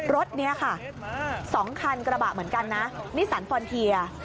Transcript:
รถนี้ค่ะ๒คันกระบะเหมือนกันนะนิสันฟอนเทีย